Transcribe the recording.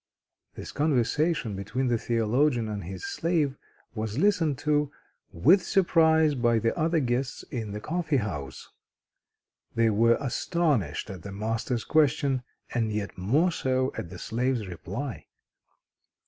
This conversation between the theologian and his slave was listened to with surprise by the other guests in the coffee house. They were astonished at the master's question, and yet more so at the slave's reply.